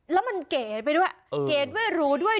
แล้วมันเก๋ไปด้วยเก๋ไม่รู้ด้วย